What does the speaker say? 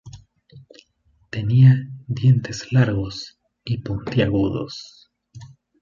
Tenía dientes largos y puntiagudos.